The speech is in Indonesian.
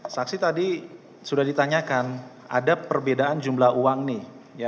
saksi tadi sudah ditanyakan ada perbedaan jumlah uang nih